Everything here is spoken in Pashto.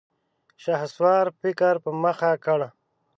شهسوار فکر په مخه کړ.